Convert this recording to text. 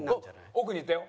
奥にいったよ。